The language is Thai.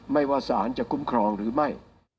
ไม่ว่าสารจะคุ้มครองหรือไม่